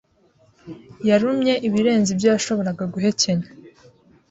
Yarumye ibirenze ibyo yashoboraga guhekenya.